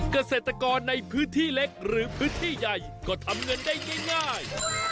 เกษตรกรในพื้นที่เล็กหรือพื้นที่ใหญ่ก็ทำเงินได้ง่าย